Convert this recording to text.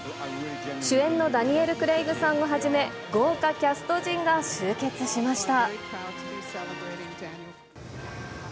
主演のダニエル・クレイグさんをはじめ、豪華キャスト陣が集結しました。